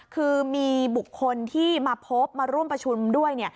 คือมีบุคคลที่มาพบมาร่วมประชุมด้วย